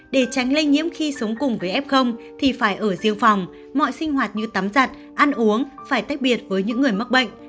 để tránh lây nhiễm khi sống cùng với f thì phải ở riêng phòng mọi sinh hoạt như tắm giặt ăn uống phải tách biệt với những người mắc bệnh